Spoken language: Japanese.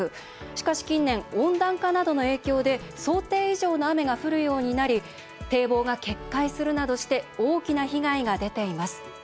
しかし近年、温暖化などの影響で想定以上の雨が降るようになり堤防が決壊するなどして大きな被害が出ています。